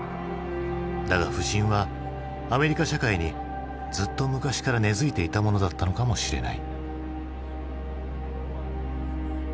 だが不信はアメリカ社会にずっと昔から根づいていたものだったのかもしれない。